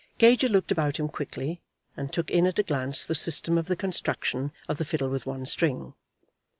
Gager looked about him quickly, and took in at a glance the system of the construction of the "Fiddle with One String."